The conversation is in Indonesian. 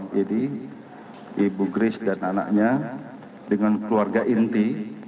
jadi ibu grace dan anaknya dengan keluarga inti